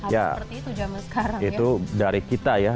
ya itu dari kita ya